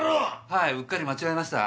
はいうっかり間違えました。